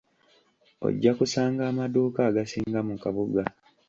Ojja kusanga amaduuka agasinga mu kabuga.